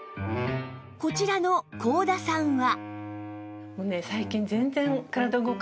こちらの幸田さんは